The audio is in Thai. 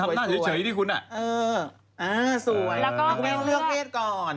วาดการเรียกเค้นก่อน